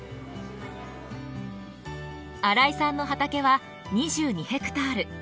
荒井さんの畑は２２ヘクタール。